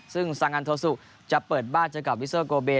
ซึ่งซางันโทสุจะเปิดบ้านเจอกับวิสเตอร์โกเบ